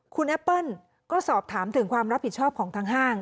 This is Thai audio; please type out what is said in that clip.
คุณแอปเปิ้ลก็สอบถามถึงความรับผิดชอบของทางห้าง